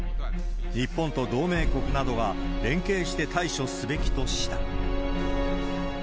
日本と同盟国などが連携して対処すべきとした。